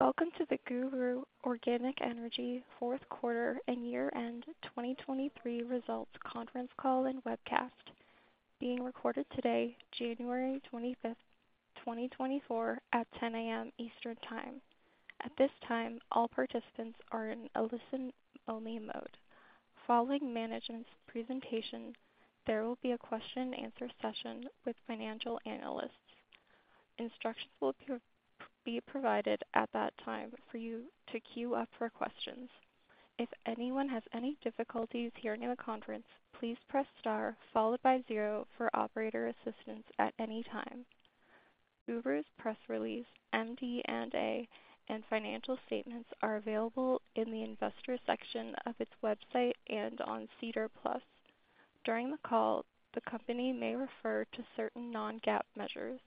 Welcome to the GURU Organic Energy fourth quarter and year-end 2023 results conference call and webcast, being recorded today, January 25, 2024, at 10 A.M. Eastern Time. At this time, all participants are in a listen-only mode. Following management's presentation, there will be a question-and-answer session with financial analysts. Instructions will be provided at that time for you to queue up for questions. If anyone has any difficulties hearing the conference, please press star followed by zero for operator assistance at any time. GURU's press release, MD&A, and financial statements are available in the investor section of its website and on SEDAR+. During the call, the company may refer to certain non-GAAP measures.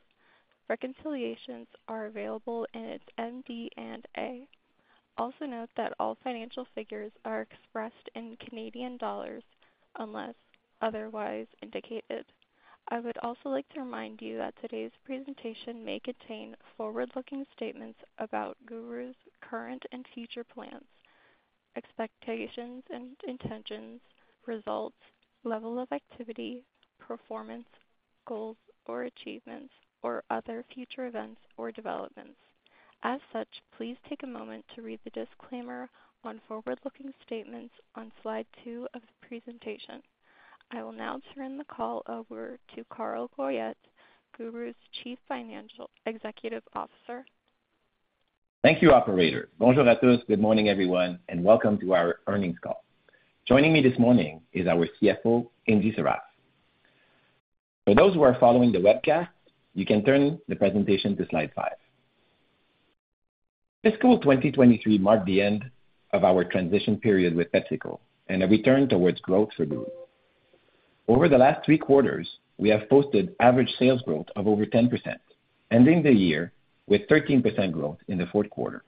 Reconciliations are available in its MD&A. Also note that all financial figures are expressed in Canadian dollars unless otherwise indicated. I would also like to remind you that today's presentation may contain forward-looking statements about GURU's current and future plans, expectations and intentions, results, level of activity, performance, goals or achievements, or other future events or developments. As such, please take a moment to read the disclaimer on forward-looking statements on slide two of the presentation. I will now turn the call over to Carl Goyette, GURU's Chief Executive Officer. Thank you, operator. Bonjour à tous. Good morning, everyone, and welcome to our earnings call. Joining me this morning is our CFO, Ingy Sarraf. For those who are following the webcast, you can turn the presentation to slide 5. Fiscal 2023 marked the end of our transition period with PepsiCo and a return towards growth for GURU. Over the last three quarters, we have posted average sales growth of over 10%, ending the year with 13% growth in the fourth quarter.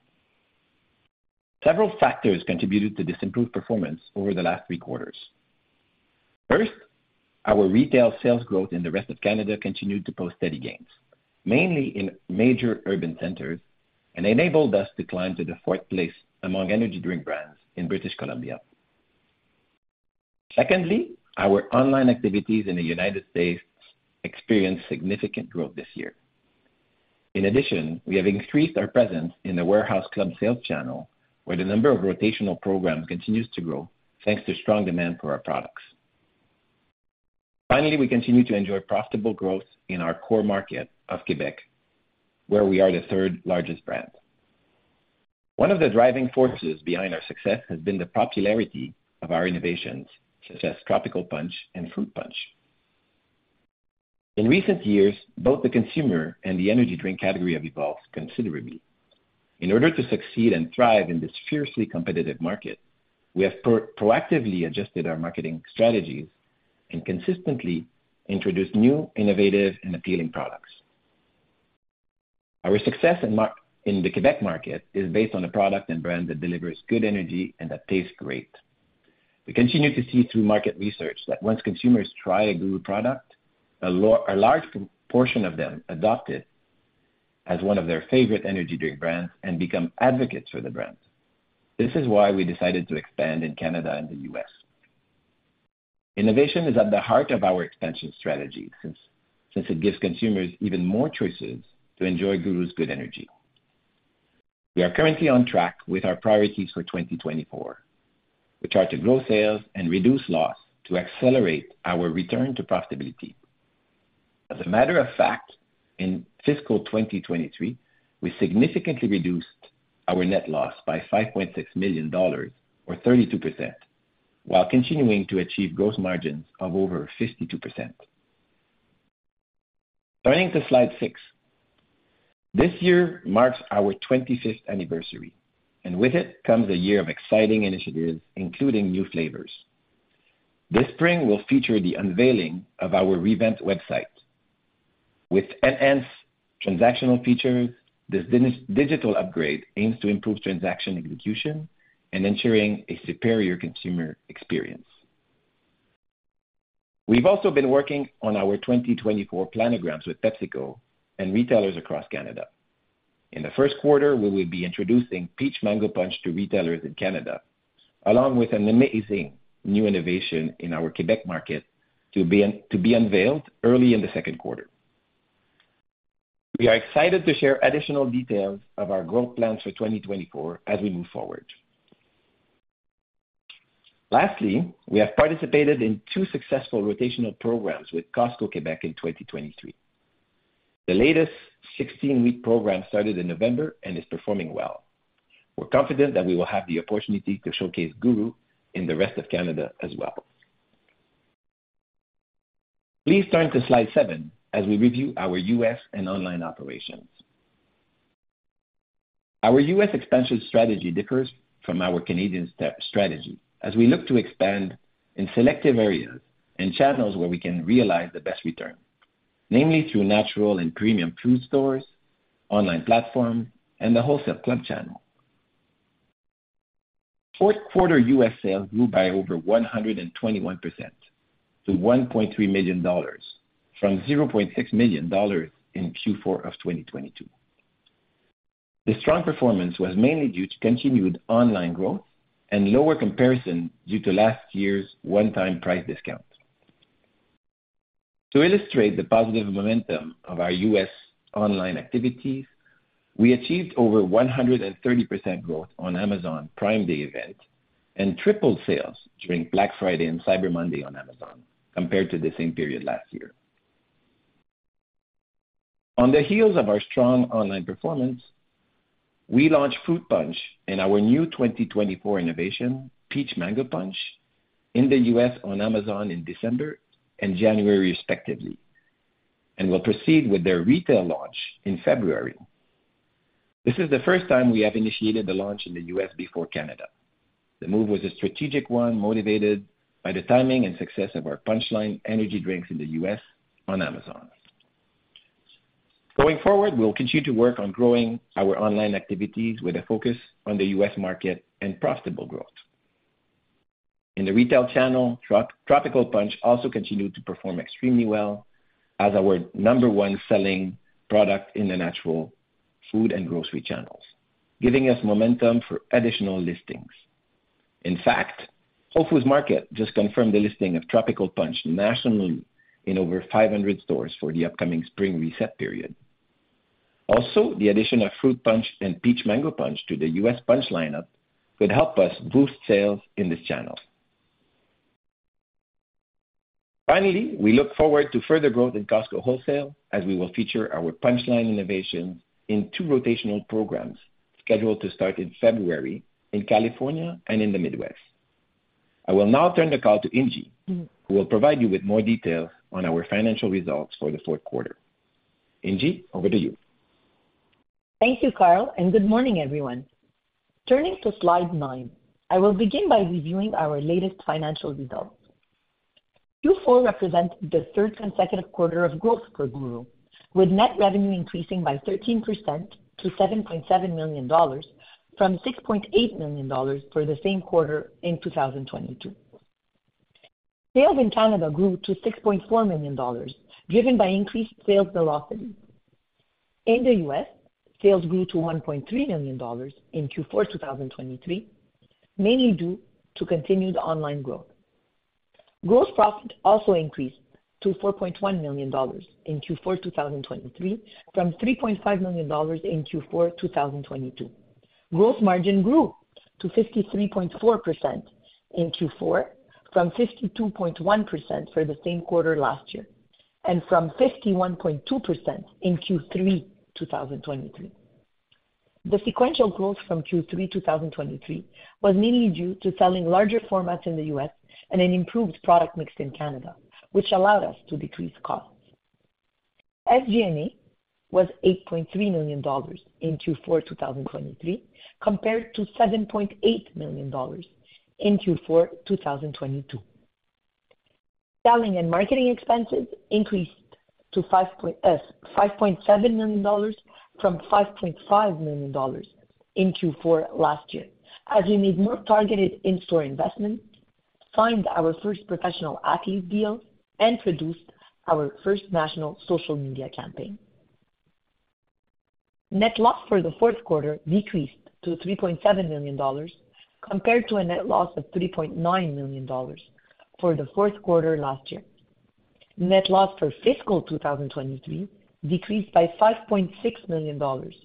Several factors contributed to this improved performance over the last three quarters. First, our retail sales growth in the rest of Canada continued to post steady gains, mainly in major urban centers, and enabled us to climb to the fourth place among energy drink brands in British Columbia. Secondly, our online activities in the United States experienced significant growth this year In addition, we have increased our presence in the warehouse club sales channel, where the number of rotational programs continues to grow, thanks to strong demand for our products. Finally, we continue to enjoy profitable growth in our core market of Quebec, where we are the third-largest brand. One of the driving forces behind our success has been the popularity of our innovations, such as Tropical Punch and Fruit Punch. In recent years, both the consumer and the energy drink category have evolved considerably. In order to succeed and thrive in this fiercely competitive market, we have proactively adjusted our marketing strategies and consistently introduced new, innovative, and appealing products. Our success in the Quebec market is based on a product and brand that delivers good energy and that tastes great. We continue to see through market research that once consumers try a GURU product, a large portion of them adopt it as one of their favorite energy drink brands and become advocates for the brand. This is why we decided to expand in Canada and the U.S. Innovation is at the heart of our expansion strategy, since it gives consumers even more choices to enjoy GURU's good energy. We are currently on track with our priorities for 2024. We try to grow sales and reduce loss to accelerate our return to profitability. As a matter of fact, in fiscal 2023, we significantly reduced our net loss by 5.6 million dollars, or 32%, while continuing to achieve gross margins of over 52%. Turning to slide six. This year marks our 25th anniversary, and with it comes a year of exciting initiatives, including new flavors. This spring, we'll feature the unveiling of our revamped website. With enhanced transactional features, this digital upgrade aims to improve transaction execution and ensuring a superior consumer experience. We've also been working on our 2024 planograms with PepsiCo and retailers across Canada. In the first quarter, we will be introducing Peach Mango Punch to retailers in Canada, along with an amazing new innovation in our Quebec market to be unveiled early in the second quarter. We are excited to share additional details of our growth plans for 2024 as we move forward. Lastly, we have participated in two successful rotational programs with Costco Quebec in 2023. The latest 16-week program started in November and is performing well. We're confident that we will have the opportunity to showcase GURU in the rest of Canada as well. Please turn to slide 7 as we review our U.S. and online operations. Our U.S. expansion strategy differs from our Canadian strategy as we look to expand in selective areas and channels where we can realize the best return, namely through natural and premium food stores, online platforms, and the wholesale club channel. Fourth quarter U.S. sales grew by over 121% to $1.3 million, from $0.6 million in Q4 of 2022. The strong performance was mainly due to continued online growth and lower comparison due to last year's one-time price discount. To illustrate the positive momentum of our U.S. online activities, we achieved over 130% growth on Amazon Prime Day event, and tripled sales during Black Friday and Cyber Monday on Amazon compared to the same period last year. On the heels of our strong online performance, we launched Fruit Punch and our new 2024 innovation, Peach Mango Punch, in the U.S. on Amazon in December and January, respectively, and will proceed with their retail launch in February. This is the first time we have initiated the launch in the U.S. before Canada. The move was a strategic one, motivated by the timing and success of our Punch line energy drinks in the U.S. on Amazon. Going forward, we'll continue to work on growing our online activities with a focus on the U.S. market and profitable growth. In the retail channel, Tropical Punch also continued to perform extremely well as our number one selling product in the natural food and grocery channels, giving us momentum for additional listings. In fact, Whole Foods Market just confirmed the listing of Tropical Punch nationally in over 500 stores for the upcoming spring reset period. Also, the addition of Fruit Punch and Peach Mango Punch to the U.S. Punch lineup could help us boost sales in this channel. Finally, we look forward to further growth in Costco Wholesale as we will feature our Punch line innovation in two rotational programs scheduled to start in February in California and in the Midwest. I will now turn the call to Ingy, who will provide you with more detail on our financial results for the fourth quarter. Ingy, over to you. Thank you, Carl, and good morning, everyone. Turning to slide 9, I will begin by reviewing our latest financial results. Q4 represents the third consecutive quarter of growth for GURU, with net revenue increasing by 13% to 7.7 million dollars, from 6.8 million dollars for the same quarter in 2022. Sales in Canada grew to 6.4 million dollars, driven by increased sales velocity. In the U.S., sales grew to 1.3 million dollars in Q4, 2023, mainly due to continued online growth. Gross profit also increased to 4.1 million dollars in Q4, 2023, from 3.5 million dollars in Q4, 2022. Gross margin grew to 53.4% in Q4, from 52.1% for the same quarter last year, and from 51.2% in Q3 2023. The sequential growth from Q3 2023 was mainly due to selling larger formats in the U.S. and an improved product mix in Canada, which allowed us to decrease costs. SG&A was 8.3 million dollars in Q4 2023, compared to 7.8 million dollars in Q4 2022. Selling and marketing expenses increased to 5.7 million dollars from 5.5 million dollars in Q4 last year, as we made more targeted in-store investments, signed our first professional athlete deal, and produced our first national social media campaign. Net loss for the fourth quarter decreased to 3.7 million dollars, compared to a net loss of 3.9 million dollars for the fourth quarter last year. Net loss for fiscal 2023 decreased by 5.6 million dollars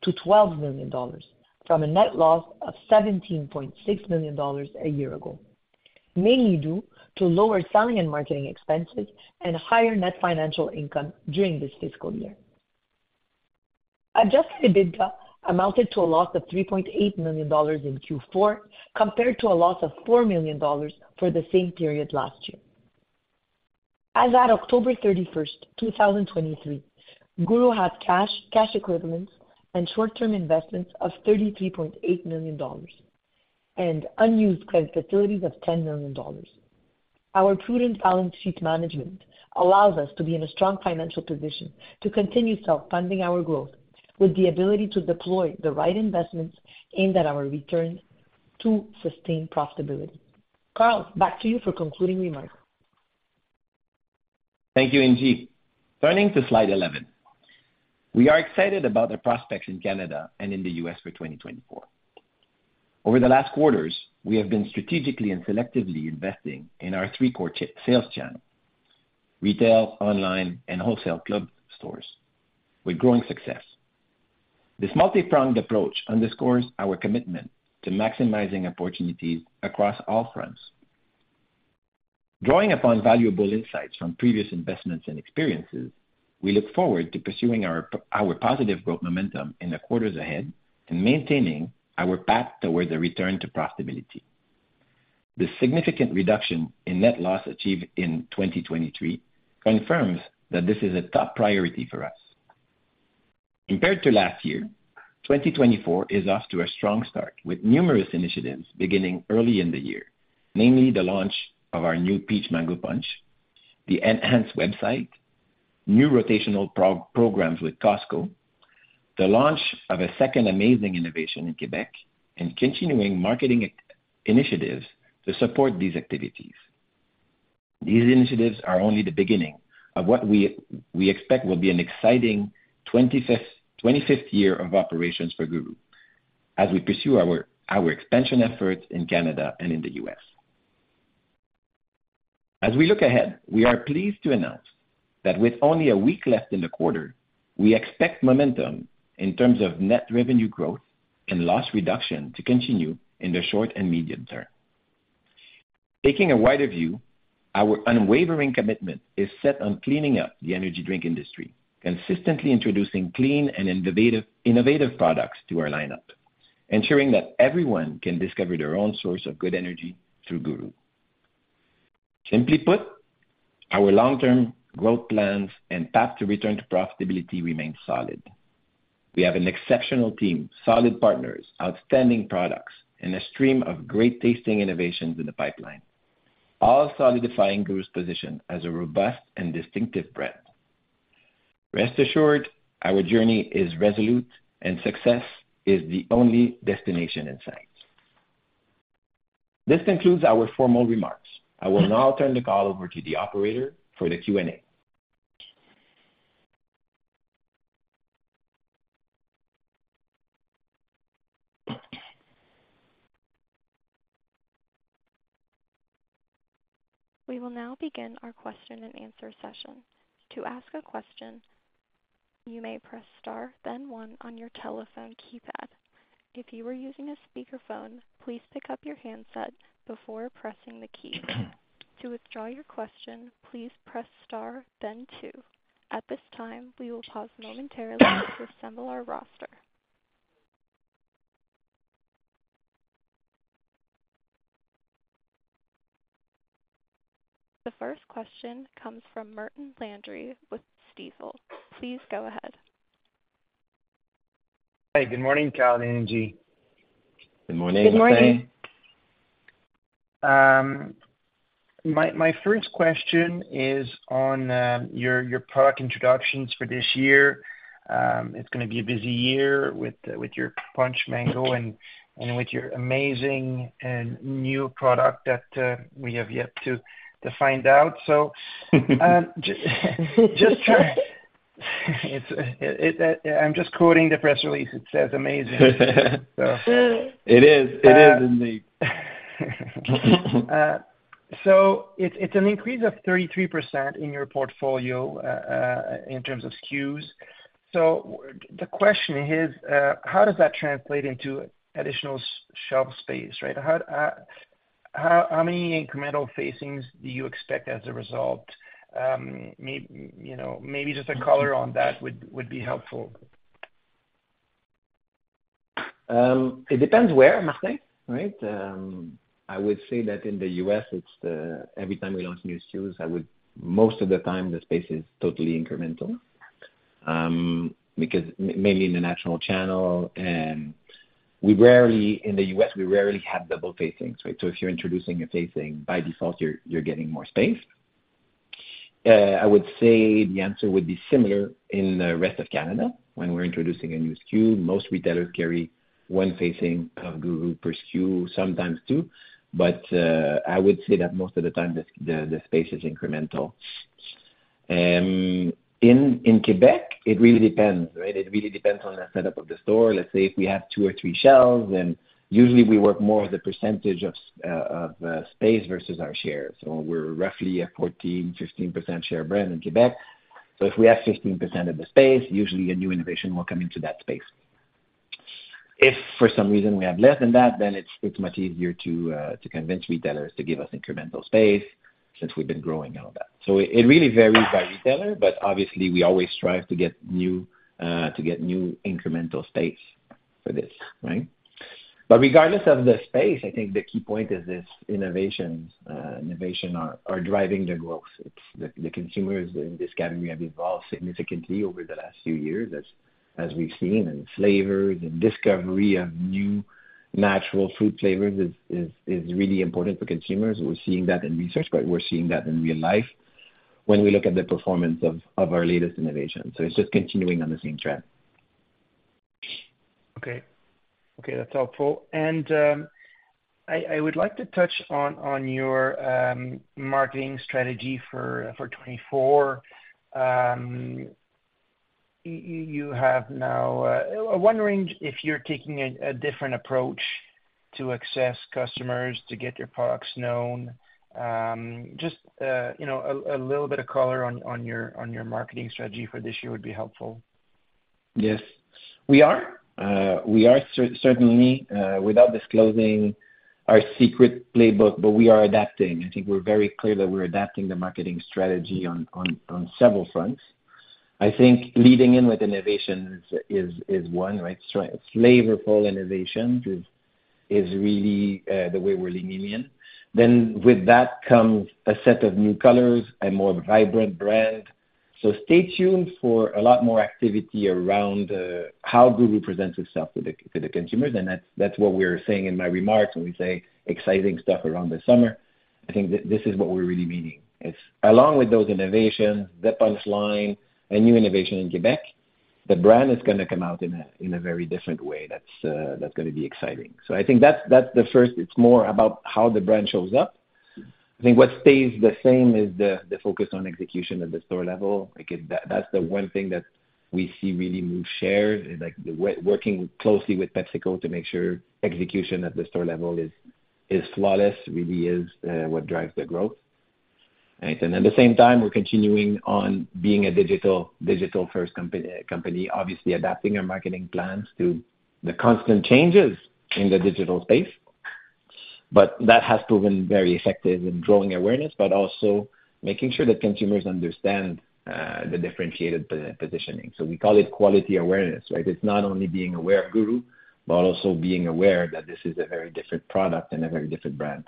to 12 million dollars, from a net loss of 17.6 million dollars a year ago, mainly due to lower selling and marketing expenses and higher net financial income during this fiscal year. Adjusted EBITDA amounted to a loss of 3.8 million dollars in Q4, compared to a loss of 4 million dollars for the same period last year. As at October 31, 2023, GURU had cash, cash equivalents and short-term investments of 33.8 million dollars and unused credit facilities of 10 million dollars. Our prudent balance sheet management allows us to be in a strong financial position to continue self-funding our growth, with the ability to deploy the right investments aimed at our return to sustained profitability. Carl, back to you for concluding remarks. Thank you, Ingy. Turning to slide 11. We are excited about the prospects in Canada and in the US for 2024. Over the last quarters, we have been strategically and selectively investing in our three core sales channels: retail, online, and wholesale club stores, with growing success. This multi-pronged approach underscores our commitment to maximizing opportunities across all fronts. Drawing upon valuable insights from previous investments and experiences, we look forward to pursuing our positive growth momentum in the quarters ahead and maintaining our path towards a return to profitability. The significant reduction in net loss achieved in 2023 confirms that this is a top priority for us. Compared to last year, 2024 is off to a strong start, with numerous initiatives beginning early in the year, mainly the launch of our new Peach Mango Punch, the enhanced website-... new rotational programs with Costco, the launch of a second amazing innovation in Quebec, and continuing marketing initiatives to support these activities. These initiatives are only the beginning of what we expect will be an exciting 25th year of operations for GURU, as we pursue our expansion efforts in Canada and in the U.S. As we look ahead, we are pleased to announce that with only a week left in the quarter, we expect momentum in terms of net revenue growth and loss reduction to continue in the short and medium term. Taking a wider view, our unwavering commitment is set on cleaning up the energy drink industry, consistently introducing clean and innovative products to our lineup, ensuring that everyone can discover their own source of good energy through GURU. Simply put, our long-term growth plans and path to return to profitability remains solid. We have an exceptional team, solid partners, outstanding products, and a stream of great-tasting innovations in the pipeline, all solidifying GURU's position as a robust and distinctive brand. Rest assured, our journey is resolute, and success is the only destination in sight. This concludes our formal remarks. I will now turn the call over to the operator for the Q&A. We will now begin our question-and-answer session. To ask a question, you may press Star, then one on your telephone keypad. If you are using a speakerphone, please pick up your handset before pressing the key. To withdraw your question, please press Star then two. At this time, we will pause momentarily to assemble our roster. The first question comes from Martin Landry with Stifel. Please go ahead. Hey, good morning, Carl and Ingy. Good morning, Martin. Good morning. My first question is on your product introductions for this year. It's gonna be a busy year with your Peach Mango Punch and with your amazing and new product that we have yet to find out. Just, it's. I'm just quoting the press release. It says, "Amazing. It is. It is amazing. So it's an increase of 33% in your portfolio, in terms of SKUs. So the question is, how does that translate into additional shelf space, right? How many incremental facings do you expect as a result? You know, maybe just a color on that would be helpful. It depends where, Martin, right? I would say that in the U.S., it's the... Every time we launch new SKUs, most of the time, the space is totally incremental. Because mainly in the national channel, and we rarely in the U.S. have double facings, right? So if you're introducing a facing, by default, you're getting more space. I would say the answer would be similar in the rest of Canada. When we're introducing a new SKU, most retailers carry one facing of Guru per SKU, sometimes two. But I would say that most of the time, the space is incremental. In Quebec, it really depends, right? It really depends on the setup of the store. Let's say if we have two or three shelves, then usually we work more with the percentage of space versus our share. So we're roughly a 14-15% share brand in Quebec. So if we have 15% of the space, usually a new innovation will come into that space. If for some reason we have less than that, then it's much easier to convince retailers to give us incremental space since we've been growing all that. So it really varies by retailer, but obviously, we always strive to get new incremental space for this, right? But regardless of the space, I think the key point is this, innovations are driving the growth. It's the consumers in this category have evolved significantly over the last few years, as we've seen. Flavor and discovery of new natural fruit flavors is really important for consumers. We're seeing that in research, but we're seeing that in real life when we look at the performance of our latest innovations. So it's just continuing on the same trend. Okay. Okay, that's helpful. And I would like to touch on your marketing strategy for 2024. You have now. I'm wondering if you're taking a different approach to access customers to get your products known. Just, you know, a little bit of color on your marketing strategy for this year would be helpful. Yes. We are certainly without disclosing our secret playbook, but we are adapting. I think we're very clear that we're adapting the marketing strategy on several fronts. I think leading in with innovations is one, right? So flavorful innovations is really the way we're leaning in. Then, with that comes a set of new colors, a more vibrant brand. So stay tuned for a lot more activity around how GURU presents itself to the consumers, and that's what we're saying in my remarks when we say exciting stuff around the summer. I think this is what we're really meaning. It's along with those innovations, the Punch line, a new innovation in Quebec. The brand is gonna come out in a very different way. That's gonna be exciting. So I think that's the first. It's more about how the brand shows up. I think what stays the same is the focus on execution at the store level. Like, that's the one thing that we see really move shares, is like, working closely with PepsiCo to make sure execution at the store level is flawless, really is what drives the growth. Right, and at the same time, we're continuing on being a digital-first company, obviously adapting our marketing plans to the constant changes in the digital space. But that has proven very effective in drawing awareness, but also making sure that consumers understand the differentiated positioning. So we call it quality awareness, right? It's not only being aware of GURU, but also being aware that this is a very different product and a very different brand.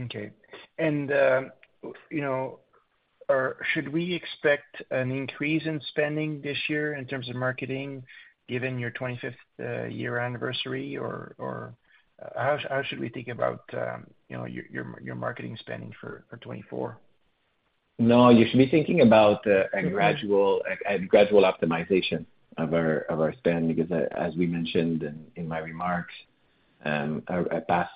Okay. And, you know, should we expect an increase in spending this year in terms of marketing, given your 25th year anniversary, or how should we think about, you know, your marketing spending for 2024? No, you should be thinking about, Okay... a gradual optimization of our spend, because as we mentioned in my remarks, a path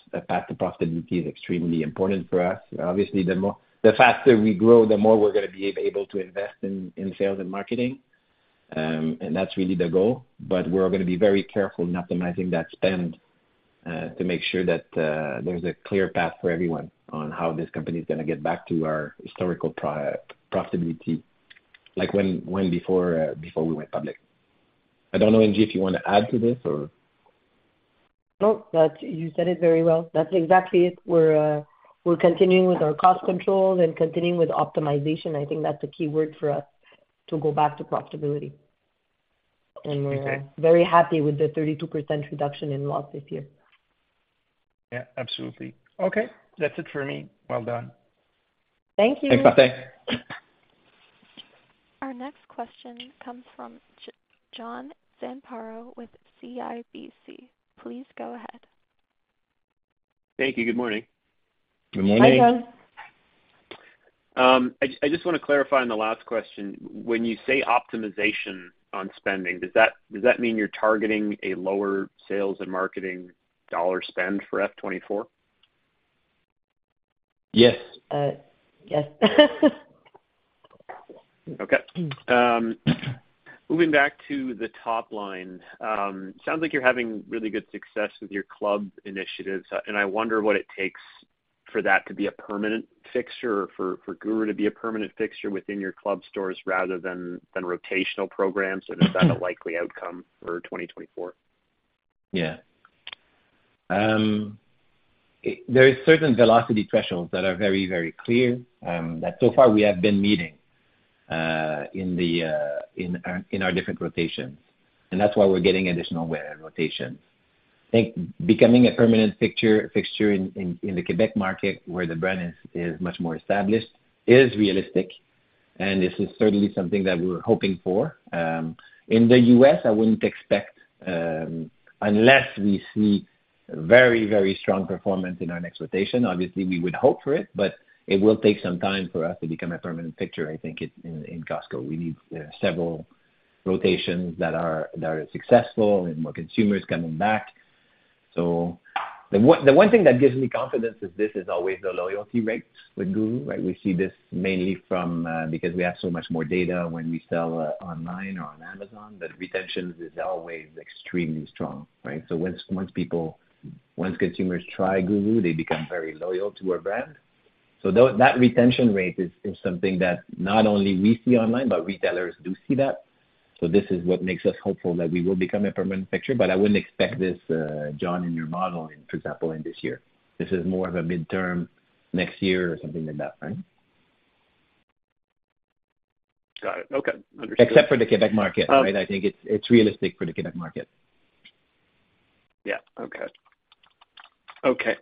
to profitability is extremely important for us. Obviously, the faster we grow, the more we're gonna be able to invest in sales and marketing. And that's really the goal, but we're gonna be very careful in optimizing that spend to make sure that there's a clear path for everyone on how this company is gonna get back to our historical profitability, like when before we went public. I don't know, Ingy, if you wanna add to this, or? No, that's... You said it very well. That's exactly it. We're, we're continuing with our cost controls and continuing with optimization. I think that's the key word for us to go back to profitability. Okay. We're very happy with the 32% reduction in loss this year. Yeah, absolutely. Okay, that's it for me. Well done. Thank you. Thanks, Patrick. Our next question comes from John Zamparo with CIBC. Please go ahead. Thank you. Good morning. Good morning. Hi, John. I just wanna clarify on the last question, when you say optimization on spending, does that, does that mean you're targeting a lower sales and marketing dollar spend for FY 2024? Yes. Uh, yes. Okay. Moving back to the top line, sounds like you're having really good success with your club initiatives, and I wonder what it takes for that to be a permanent fixture for GURU to be a permanent fixture within your club stores rather than rotational programs, and is that a likely outcome for 2024? Yeah. There are certain velocity thresholds that are very, very clear, that so far we have been meeting in our different rotations, and that's why we're getting additional more rotations. I think becoming a permanent fixture in the Quebec market, where the brand is much more established, is realistic, and this is certainly something that we're hoping for. In the U.S., I wouldn't expect, unless we see very, very strong performance in our next rotation. Obviously, we would hope for it, but it will take some time for us to become a permanent fixture, I think, in Costco. We need several rotations that are successful and more consumers coming back. So the one thing that gives me confidence is this is always the loyalty rates with GURU, right? We see this mainly from because we have so much more data when we sell online or on Amazon, but retention is always extremely strong, right? So once consumers try GURU, they become very loyal to our brand. So that retention rate is something that not only we see online, but retailers do see that. So this is what makes us hopeful that we will become a permanent fixture, but I wouldn't expect this, John, in your model, for example, in this year. This is more of a midterm, next year, or something like that, right? Got it. Okay. Understood. Except for the Quebec market, right? Um- I think it's realistic for the Quebec market. Yeah. Okay. Okay,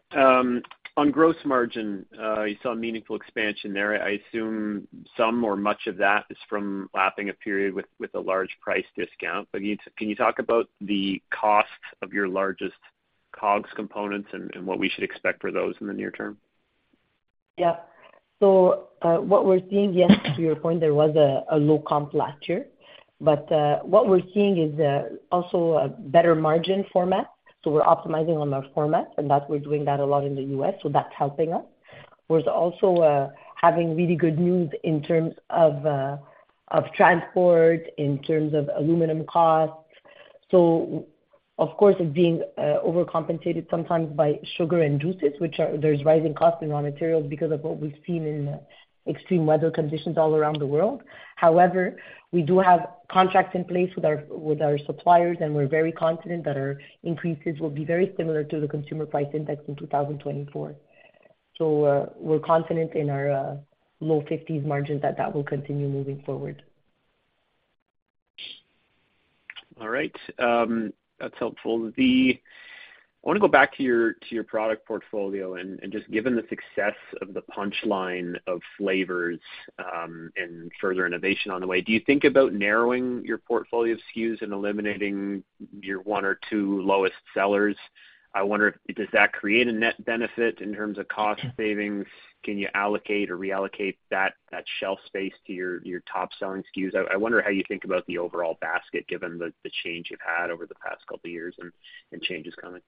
on gross margin, you saw a meaningful expansion there. I assume some or much of that is from lapping a period with a large price discount. But you, can you talk about the cost of your largest COGS components and what we should expect for those in the near term? Yeah. So, what we're seeing, yes, to your point, there was a low comp last year. But, what we're seeing is also a better margin format, so we're optimizing on our format, and that we're doing that a lot in the US, so that's helping us. We're also having really good news in terms of transport, in terms of aluminum costs. So of course, it's being overcompensated sometimes by sugar and juices, which are. There's rising costs in raw materials because of what we've seen in extreme weather conditions all around the world. However, we do have contracts in place with our suppliers, and we're very confident that our increases will be very similar to the Consumer Price Index in 2024. So, we're confident in our low 50s% margin, that that will continue moving forward. All right. That's helpful. I wanna go back to your, to your product portfolio, and, and just given the success of the punch line of flavors, and further innovation on the way, do you think about narrowing your portfolio SKUs and eliminating your one or two lowest sellers? I wonder, does that create a net benefit in terms of cost savings? Can you allocate or reallocate that, that shelf space to your, your top selling SKUs? I wonder how you think about the overall basket, given the, the change you've had over the past couple of years and, and changes coming.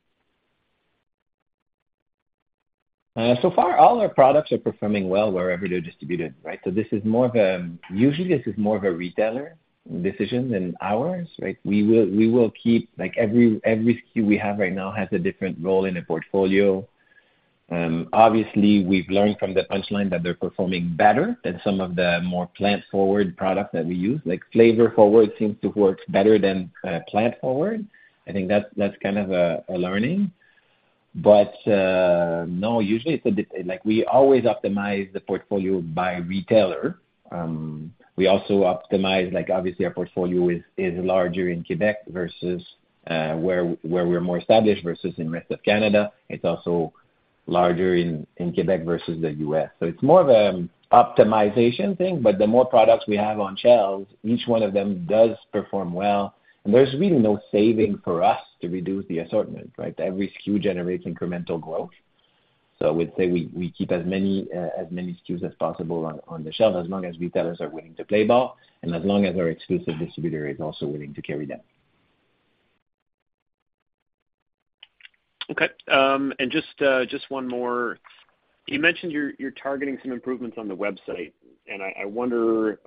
So far, all our products are performing well wherever they're distributed, right? So this is more of a retailer decision than ours, right? We will, we will keep, like, every, every SKU we have right now has a different role in the portfolio. Obviously, we've learned from the punch line that they're performing better than some of the more plant-forward products that we use. Like, flavor-forward seems to work better than plant-forward. I think that's kind of a learning. But no, usually it's a like, we always optimize the portfolio by retailer. We also optimize, like, obviously, our portfolio is larger in Quebec versus where we're more established versus in rest of Canada. It's also larger in Quebec versus the U.S. So it's more of an optimization thing, but the more products we have on shelves, each one of them does perform well. And there's really no saving for us to reduce the assortment, right? Every SKU generates incremental growth. So I would say we keep as many SKUs as possible on the shelf, as long as retailers are willing to play ball, and as long as our exclusive distributor is also willing to carry that. Okay. And just one more. You mentioned you're targeting some improvements on the website, and I wonder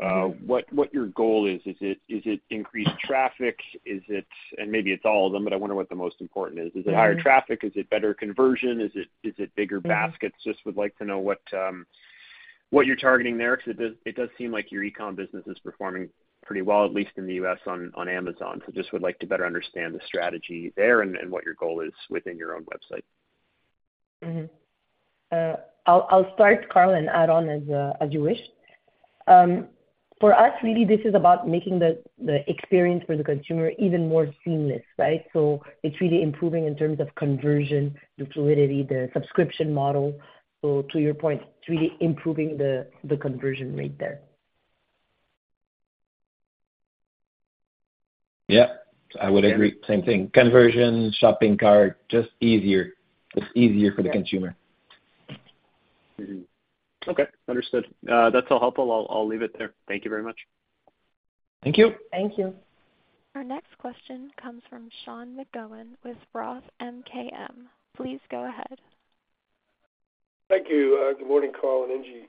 what your goal is. Is it increased traffic? Is it... And maybe it's all of them, but I wonder what the most important is. Mm-hmm. Is it higher traffic? Is it better conversion? Is it bigger baskets? Just would like to know what you're targeting there, because it does seem like your e-com business is performing pretty well, at least in the U.S. on Amazon. So just would like to better understand the strategy there and what your goal is within your own website. Mm-hmm. I'll start, Carl, and add on as you wish. For us, really, this is about making the experience for the consumer even more seamless, right? So it's really improving in terms of conversion, the fluidity, the subscription model. So to your point, it's really improving the conversion rate there. Yeah, I would agree. Same thing. Conversion, shopping cart, just easier. It's easier for the consumer. Mm-hmm. Okay, understood. That's all helpful. I'll, I'll leave it there. Thank you very much. Thank you. Thank you. Our next question comes from Sean McGowan with Roth MKM. Please go ahead. Thank you. Good morning, Carl and Ingy.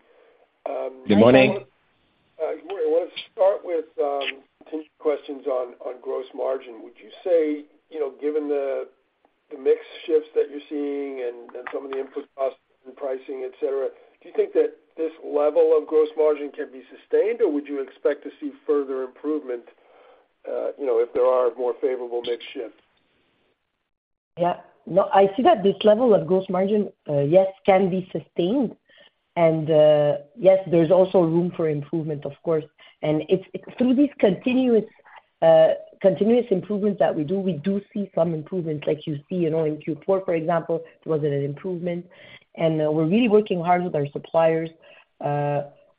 Good morning. Good morning. I wanted to start with some questions on gross margin. Would you say, you know, given the mix shifts that you're seeing and some of the input costs and pricing, et cetera, do you think that this level of gross margin can be sustained, or would you expect to see further improvement, you know, if there are more favorable mix shifts? Yeah. No, I see that this level of gross margin, yes, can be sustained, and, yes, there's also room for improvement, of course. And it's through this continuous, continuous improvements that we do, we do see some improvements, like you see, you know, in Q4, for example, there was an improvement. And, we're really working hard with our suppliers.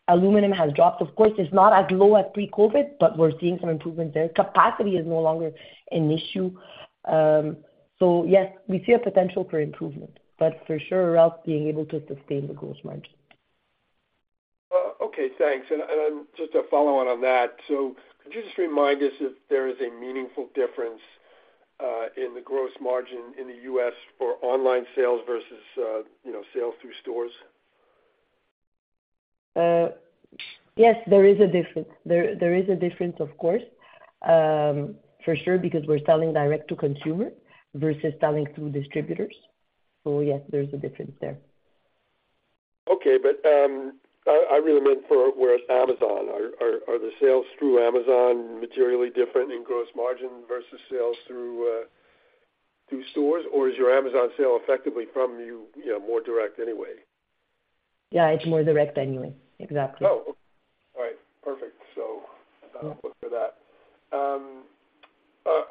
Aluminum has dropped. Of course, it's not as low as pre-COVID, but we're seeing some improvement there. Capacity is no longer an issue. So yes, we see a potential for improvement, but for sure, we're also being able to sustain the gross margin. Okay, thanks. Just a follow-on on that: so could you just remind us if there is a meaningful difference in the gross margin in the U.S. for online sales versus, you know, sales through stores? Yes, there is a difference. There is a difference, of course. For sure, because we're selling direct to consumer versus selling through distributors. So yes, there's a difference there. Okay, but I really meant for where it's Amazon. Are the sales through Amazon materially different in gross margin versus sales through stores? Or is your Amazon sale effectively from you, you know, more direct anyway? Yeah, it's more direct anyway. Exactly. Oh, okay. All right, perfect. So I'll look for that.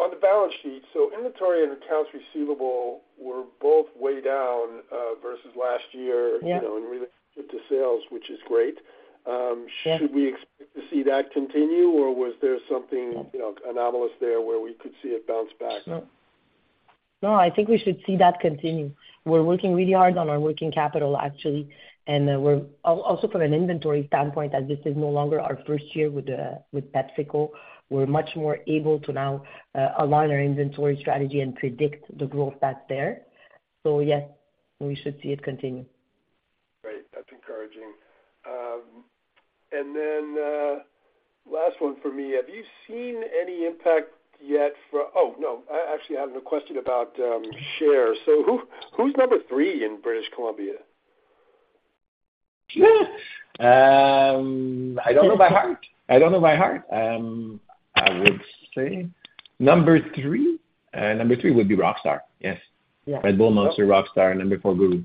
On the balance sheet, so inventory and accounts receivable were both way down versus last year. Yeah... you know, in relation to sales, which is great. Yeah. Should we expect to see that continue, or was there something, you know, anomalous there, where we could see it bounce back? No, I think we should see that continue. We're working really hard on our working capital, actually, and we're also from an inventory standpoint, as this is no longer our first year with PepsiCo, we're much more able to now align our inventory strategy and predict the growth that's there. So yes, we should see it continue. Great. That's encouraging. And then, last one for me. Have you seen any impact yet for... Oh, no, I actually have a question about share. So who, who's number three in British Columbia? I don't know by heart. I don't know by heart. I would say number 3, number 3 would be Rockstar. Yes. Yeah. Red Bull, Monster, Rockstar, and 4, GURU. ...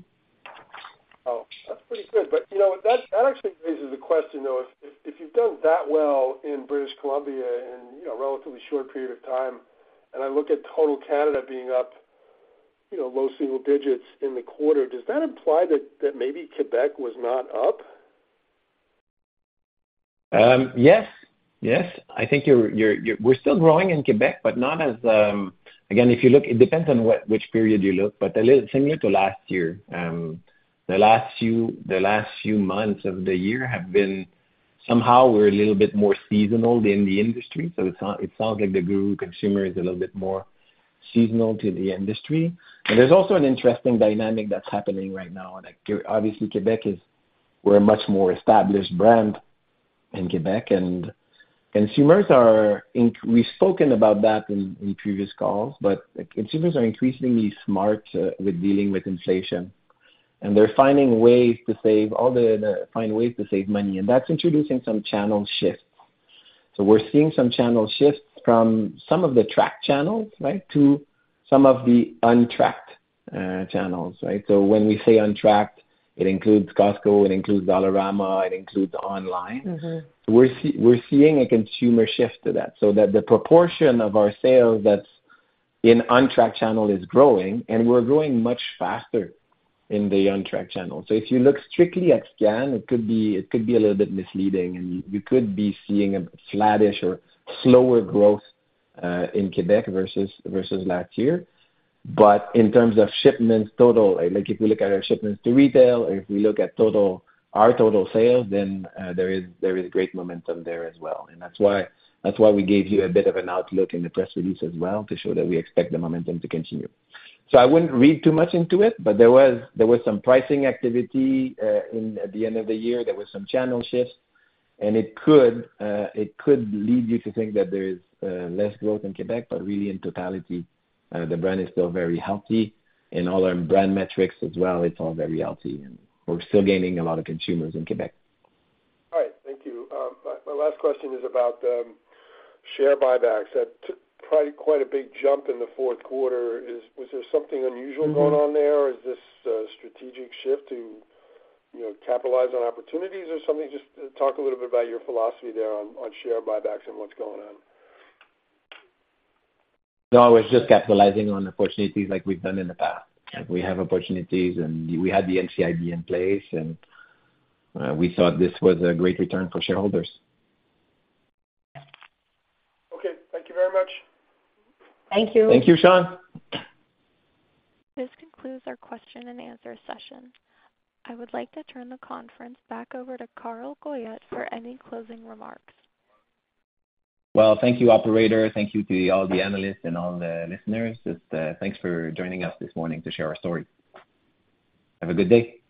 Good. But, you know, that actually raises the question, though, if you've done that well in British Columbia in, you know, a relatively short period of time, and I look at total Canada being up, you know, low single digits in the quarter, does that imply that maybe Quebec was not up? Yes. Yes, I think we're still growing in Quebec, but not as, again, if you look, it depends on which period you look, but a little similar to last year. The last few months of the year have been somehow we're a little bit more seasonal than the industry. So it sounds like the GURU consumer is a little bit more seasonal than the industry. And there's also an interesting dynamic that's happening right now, that obviously Quebec is. We're a much more established brand in Quebec, and consumers - we've spoken about that in previous calls, but consumers are increasingly smart with dealing with inflation, and they're finding ways to save money, and that's introducing some channel shifts. We're seeing some channel shifts from some of the tracked channels, right, to some of the untracked channels, right? When we say untracked, it includes Costco, it includes Dollarama, it includes online. Mm-hmm. We're seeing a consumer shift to that, so that the proportion of our sales that's in untracked channel is growing, and we're growing much faster in the untracked channel. So if you look strictly at scan, it could be a little bit misleading, and you could be seeing a flattish or slower growth in Quebec versus last year. But in terms of shipments total, like if we look at our shipments to retail, or if we look at total, our total sales, then there is great momentum there as well. And that's why we gave you a bit of an outlook in the press release as well, to show that we expect the momentum to continue. So I wouldn't read too much into it, but there was some pricing activity in at the end of the year. There was some channel shifts, and it could lead you to think that there is less growth in Quebec, but really, in totality, the brand is still very healthy. In all our brand metrics as well, it's all very healthy, and we're still gaining a lot of consumers in Quebec. All right. Thank you. My last question is about share buybacks. That took probably quite a big jump in the fourth quarter. Was there something unusual- Mm-hmm... going on there, or is this a strategic shift to, you know, capitalize on opportunities or something? Just talk a little bit about your philosophy there on, on share buybacks and what's going on. No, it's just capitalizing on opportunities like we've done in the past. We have opportunities, and we had the NCIB in place, and we thought this was a great return for shareholders. Okay, thank you very much. Thank you. Thank you, Sean. This concludes our question-and-answer session. I would like to turn the conference back over to Carl Goyette for any closing remarks. Well, thank you, Operator. Thank you to all the analysts and all the listeners. Just, thanks for joining us this morning to share our story. Have a good day.